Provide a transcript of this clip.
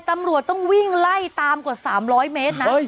ตำรวจต้องวิ่งไล่ตามกว่า๓๐๐เมตรนะ